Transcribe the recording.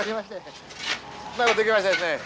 うまいこといきましたですね。